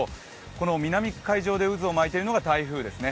この南海上で渦を巻いているのが台風ですね。